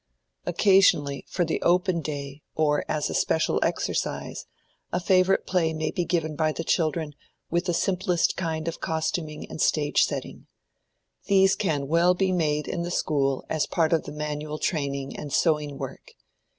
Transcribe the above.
Occasionally, for the "open day," or as a special exercise, a favorite play may be given by the children with the simplest kind of costuming and stage setting. These can well be made in the school as a part of the manual training and sewing work.